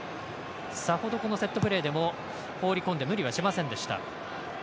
さほど、セットプレーでも放り込んで無理はしませんでした。